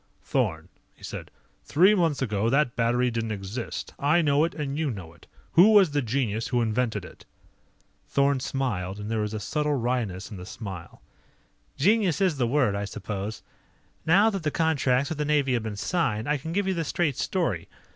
"Thorn," he said, "three months ago that battery didn't exist. I know it and you know it. Who was the genius who invented it?" Thorn smiled, and there was a subtle wryness in the smile. "Genius is the word, I suppose. Now that the contracts with the Navy have been signed, I can give you the straight story.